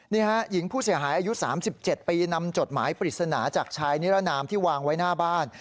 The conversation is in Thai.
นี่ฮะหญิงผู้เสียหายอายุ๓๗ปีนำจดหมายปริศนาจากชายนิรนามที่วางไว้หน้าบ้าน